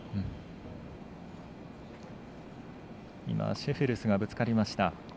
シェフェルスがぶつかりました。